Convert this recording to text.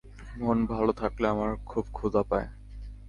মন ভালো থাকলে আমার খুব ক্ষুধা পায়।